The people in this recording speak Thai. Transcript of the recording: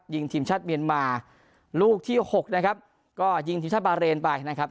ทีมชาติเมียนมาลูกที่หกนะครับก็ยิงทีมชาติบาเรนไปนะครับ